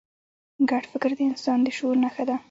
ګډ فکر د انسان د شعور نښه ده.